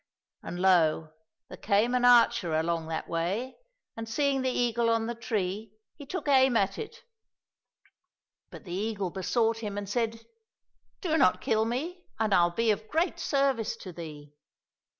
And lo ! there came an archer along that way, and seeing the eagle on the tree, he took aim at it ; but the eagle besought him and said, " Do not kill me, and I'll be of great service to thee